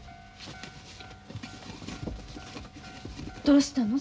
どうしたの？